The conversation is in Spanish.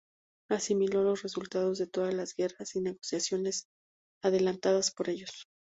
Asimiló los resultados de todas las guerras y negociaciones adelantadas por ellos.